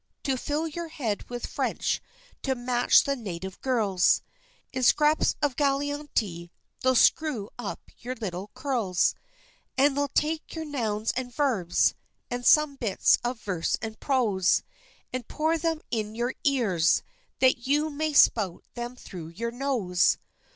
to fill your head with French to match the native girls, In scraps of Galignani they'll screw up your little curls; And they'll take their nouns and verbs, and some bits of verse and prose, And pour them in your ears that you may spout them through your nose.